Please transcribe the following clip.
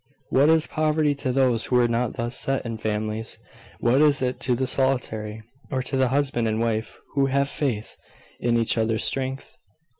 What is poverty to those who are not thus set in families? What is it to the solitary, or to the husband and wife who have faith in each other's strength?